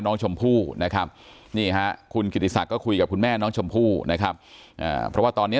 น้องชมพู่นะครับนี่ฮะคุณกิติศักดิ์คุยกับคุณแม่น้องชมพู่นะครับเพราะว่าตอนนี้